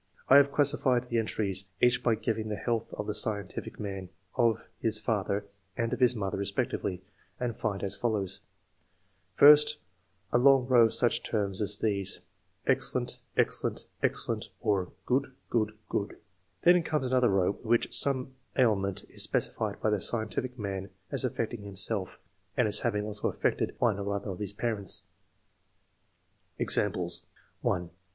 I have classified the entries, each entry giving the health of the scientific man, of his father and of his mother respectively, and find as follows :— First, a long row of such terms as these :" Excellent ; ex cellent ; excellent ;" or *' Good ; good ; good ;" then comes another row in which some ailment is specified by the scientific man as affecting himself, and as having also affected one or other of his parents. Examples: — 1.